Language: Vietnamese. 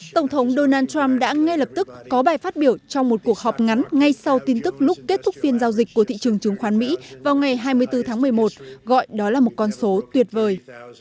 tổng thống donald trump đã ngay lập tức có bài phát biểu trong một cuộc họp ngắn ngay sau tin tức lúc kết thúc phiên giao dịch của thị trường chứng khoán mỹ vào ngày hai mươi bốn tháng một mươi một gọi đó là một con số tuyệt vời